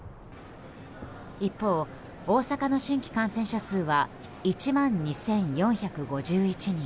一方、大阪の新規感染者数は１万２４５１人。